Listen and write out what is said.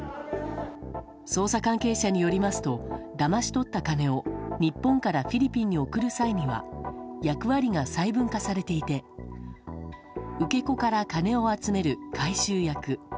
捜査関係者によりますとだまし取った金を日本からフィリピンに送る際には役割が細分化されていて受け子から金を集める回収役